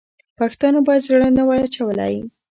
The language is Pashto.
پښتانه باید زړه نه وای اچولی.